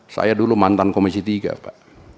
saya dulu mantan komisi tiga pak